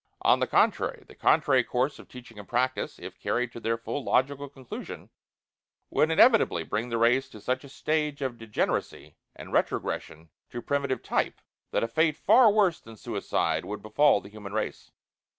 On the contrary, the contrary course of teaching and practice, if carried to their full logical conclusion, would inevitably bring the race to such a stage of degeneracy, and retrogression to primitive type, that a fate far worse than suicide would befall the human race.